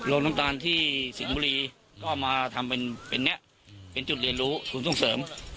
น้ำตาลที่สิงห์บุรีก็มาทำเป็นนี้เป็นจุดเรียนรู้ศูนย์ส่งเสริม